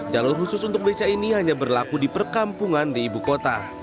jalur khusus untuk beca ini hanya berlaku di perkampungan di ibu kota